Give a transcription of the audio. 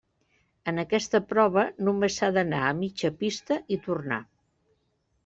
En aquesta prova només s'ha d'anar a mitja pista i tornar.